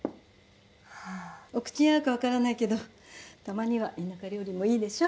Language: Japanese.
お口に合うかわからないけどたまには田舎料理もいいでしょ？